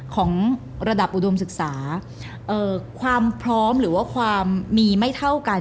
ของระดับอุดมศึกษาความพร้อมหรือว่าความมีไม่เท่ากัน